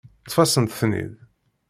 Ṭṭef-asent-ten-id.